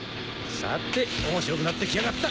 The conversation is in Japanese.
さて面白くなってきやがった！